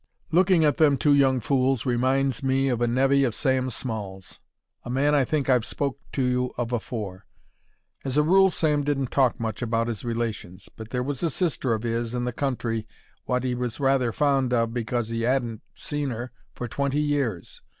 Looking at them two young fools reminds me of a nevy of Sam Small's; a man I think I've spoke to you of afore. As a rule Sam didn't talk much about 'is relations, but there was a sister of 'is in the country wot 'e was rather fond of because 'e 'adn't seen 'er for twenty years.